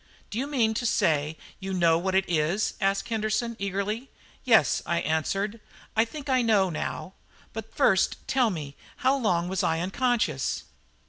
"Do you mean to say you know what it is?" asked Henderson eagerly. "Yes," I answered, "I think I know now; but first tell me how long was I unconscious?"